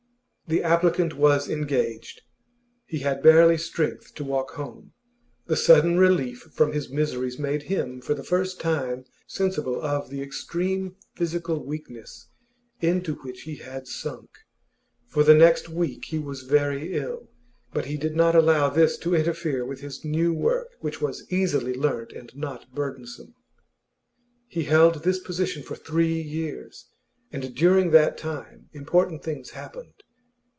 The applicant was engaged. He had barely strength to walk home; the sudden relief from his miseries made him, for the first time, sensible of the extreme physical weakness into which he had sunk. For the next week he was very ill, but he did not allow this to interfere with his new work, which was easily learnt and not burdensome. He held this position for three years, and during that time important things happened.